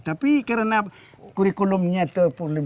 tapi karena kurikulumnya terpulih